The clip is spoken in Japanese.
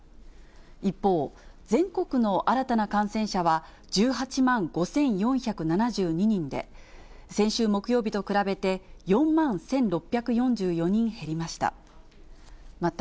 一方、全国の新たな感染者は１８万５４７２人で、先週木曜日と比べて、４万１６４４人減りました。